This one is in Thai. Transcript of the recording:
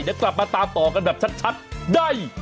เดี๋ยวกลับมาตามต่อกันแบบชัดได้